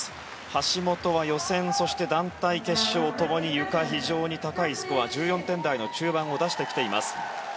橋本は予選そして団体決勝ともにともにゆか、非常に高いスコア１４点台の中盤を出してきています。